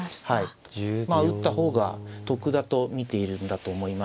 まあ打った方が得だと見ているんだと思います。